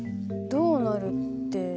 どうなるって。